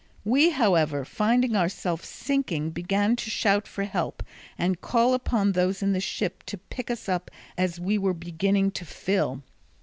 We, however, finding ourselves sinking began to shout for help and call upon those in the ship to pick us up as we were beginning to fill.